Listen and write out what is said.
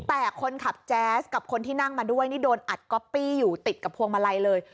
แต่คนขับแจ๊สกับคนที่นั่งมาด้วยนี่โดนอัดก๊อปปี้อยู่ติดกับพวงมาลัยเลย